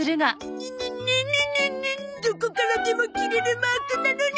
どこからでも切れるマークなのに！